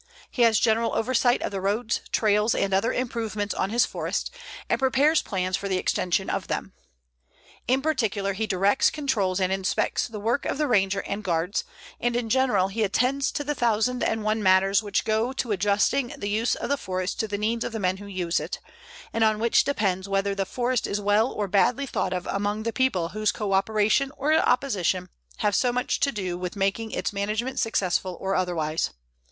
He has general oversight of the roads, trails, and other improvements on his forest; and prepares plans for the extension of them. In particular, he directs, controls, and inspects the work of the Ranger and Guards, and in general, he attends to the thousand and one matters which go to adjusting the use of the forest to the needs of the men who use it, and on which depends whether the forest is well or badly thought of among the people whose coöperation or opposition have so much to do with making its management successful or otherwise.